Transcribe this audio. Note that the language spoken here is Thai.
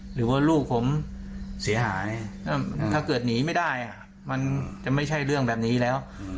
หรือว่าลูกผมเสียหายถ้าเกิดหนีไม่ได้มันจะไม่ใช่เรื่องแบบนี้แล้ว